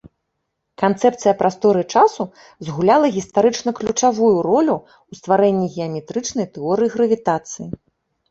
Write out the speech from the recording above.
Канцэпцыя прасторы-часу згуляла гістарычна ключавую ролю ў стварэнні геаметрычнай тэорыі гравітацыі.